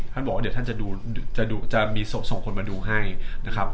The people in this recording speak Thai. บอกว่าเดี๋ยวท่านจะมีส่งคนมาดูให้นะครับ